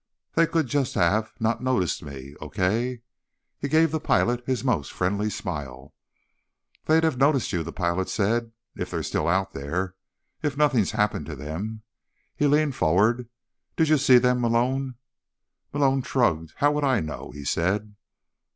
"They could just have ... not noticed me. Okay?" He gave the pilot his most friendly smile. "They'd have noticed you," the pilot said. "If they're still out there. If nothing's happened to them." He leaned forward. "Did you see them, Malone?" Malone shrugged. "How would I know?" he said.